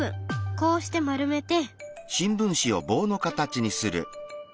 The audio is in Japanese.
こうして丸めて。